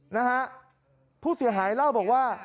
นะฮะผู้เสียหายเล่าบอกว่า